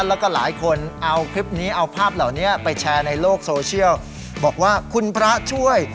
แล้วก็หลายคนเอาคลิปนี้เอาภาพเหล่านี้ไปแชร์ในโลกโซเชียลบอกว่าคุณพระช่วย